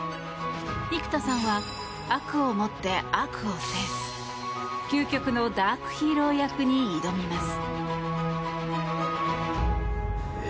生田さんは悪をもって悪を制す究極のダークヒーロー役に挑みます。